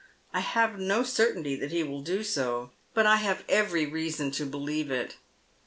I have no certainty that he will do so, but I have every reason to believe it."